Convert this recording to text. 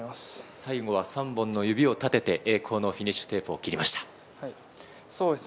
最後は３本の指を立てて栄光のフィニッシュテープを切りました。